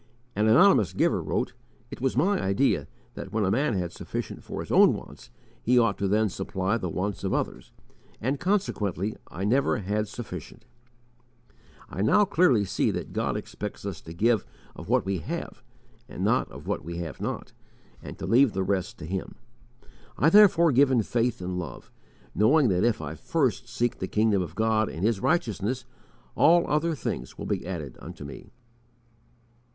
An anonymous giver wrote: "It was my idea that when a man had sufficient for his own wants, he ought then to supply the wants of others, and consequently I never had sufficient. I now clearly see that God expects us to give of what we have and not of what we have not, and to leave the rest to Him. I therefore give in faith and love, knowing that if I first seek the kingdom of God and His righteousness, all other things will be added unto me."